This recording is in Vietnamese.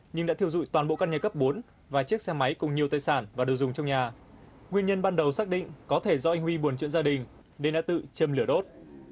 nhưng đã thiêu dụi toàn bộ căn nhà cấp bốn và chiếc xe máy cùng nhiều tài sản và đồ dùng trong nhà nguyên nhân ban đầu xác định có thể do anh huy buồn trượn gia đình nên đã tự châm lửa đốt